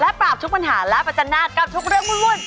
ปราบทุกปัญหาและประจันหน้ากับทุกเรื่องวุ่น